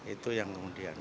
itu yang kemudian